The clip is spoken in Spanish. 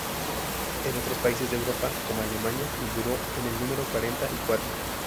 En otros países de Europa como Alemania figuró en el número cuarenta y cuatro.